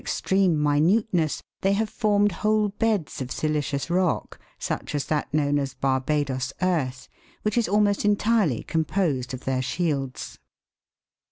extreme minuteness, they have formed whole beds of silicious rock, such as that known as " Barbadoes earth," which is almost entirely composed of their shields.